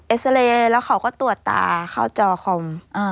ซาเรย์แล้วเขาก็ตรวจตาเข้าจอคอม